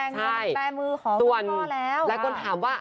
ใช่ส่วนและคนถามว่า